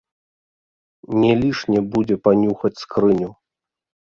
Не лішне будзе панюхаць скрыню!